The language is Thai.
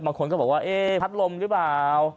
บางคนก็บอกว่าเอ๊ะพัดลมหรือเปล่า